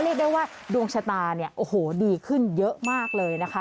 เรียกได้ว่าดวงชะตาเนี่ยโอ้โหดีขึ้นเยอะมากเลยนะคะ